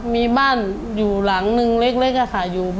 มีบ้านอยู่หลังนึงเล็กค่ะ